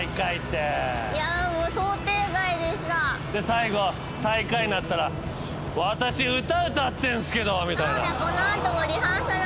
最後最下位になったら「私歌歌ってんすけど」みたいな。